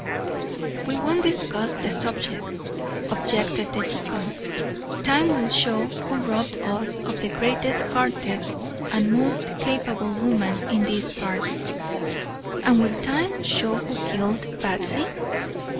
"We won't discuss the subject," objected the deacon. "Time will show who robbed us of the greatest hearted and most capable woman in these parts." "And will time show who killed Batsy?"